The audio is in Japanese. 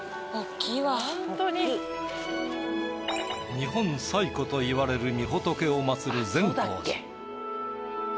日本最古といわれる御仏をまつる善光寺。